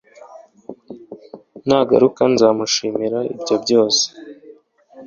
nagaruka nza mushimira ibyo byose